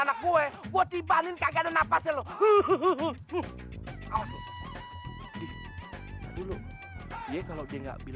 lo kok duitnya diambil